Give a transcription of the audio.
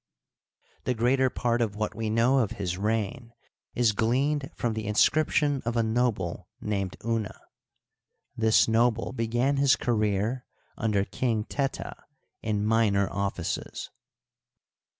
The greater part of what we know of his reign is gleaned from the inscription of a noble named Una, This noble began his career under King Teta in minor offices.